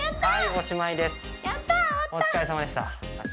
お疲れさまでした。